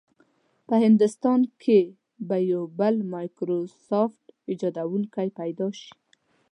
په هندوستان کې به یو بل مایکروسافټ ایجادونکی پیدا شي.